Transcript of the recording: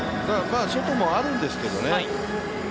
外もあるんですけどね。